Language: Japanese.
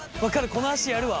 この足やるわ。